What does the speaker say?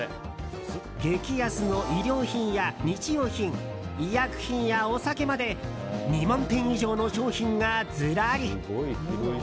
激安の衣料品や日用品医薬品やお酒まで２万点以上の商品がずらり。